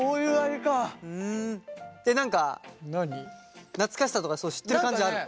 えっ何か懐かしさとかそういう知ってる感じがある？